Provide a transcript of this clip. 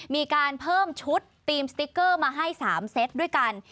มีการเพิ่มชุดทีมสติ๊กเกอร์มาให้๓เซตด้วยกัน